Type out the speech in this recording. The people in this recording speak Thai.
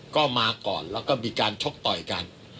ก็มาก่อนแล้วก็มีการชกต่อยกัน